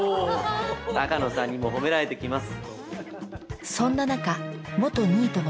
鷹野さんにも褒められてきます。